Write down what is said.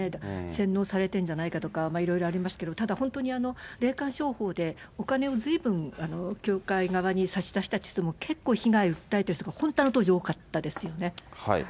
洗脳されてんじゃないかとか、いろいろありますけど、ただ、本当に霊感商法でお金をずいぶん協会側に渡した人も結構、被害を訴えている人がその当時、多かったですよね。